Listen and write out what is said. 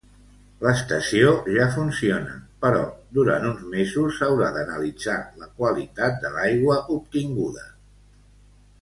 L'estació ja funciona, però durant uns mesos s'haurà d'analitzar la qualitat de l'aigua obtinguda.